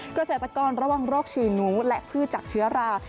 เกษตรกรระวังโรคฉี่หนูและพืชจากเชื้อรา